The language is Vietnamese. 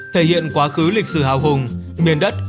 thể hiện quá khứ lịch sử hào hùng miền đất